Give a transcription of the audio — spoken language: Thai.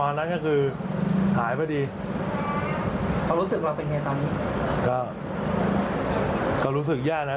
มันจะเป็นยังไง